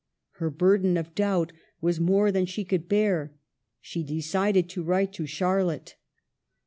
Her burden of doubt was more than she could bear. She decided to write to Char lotte.